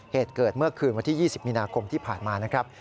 เหตุเกิดเมื่อคืนวันที่๒๐มีนาคมที่ผ่านมานะครับ